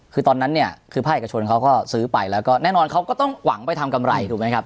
คือตอนนั้นเนี่ยคือภาคเอกชนเขาก็ซื้อไปแล้วก็แน่นอนเขาก็ต้องหวังไปทำกำไรถูกไหมครับ